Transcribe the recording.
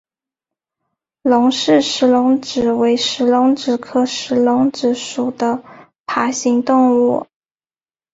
刘氏石龙子为石龙子科石龙子属的爬行动物。